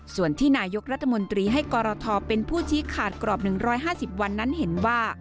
ส่วนที่นายกรัฐมนตรีให้กรทเป็นผู้ชี้ขาดกรอบ๑๕๐วันนั้นเห็นว่า